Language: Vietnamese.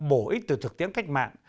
bổ ích từ thực tiễn cách mạng